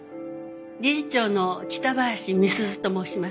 理事長の北林美鈴と申します。